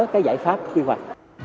cái giải pháp quy hoạch